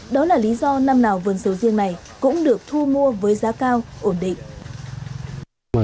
đó là lý do năm nào vườn sầu riêng này cũng được thu mua với giá cao ổn định